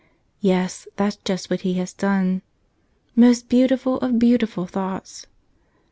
Yes; that's just what He has done. Most beautiful of beautiful thoughts